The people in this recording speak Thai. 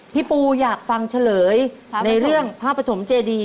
พี่ปูอยากฟังเฉลยในเรื่องพระปฐมเจดี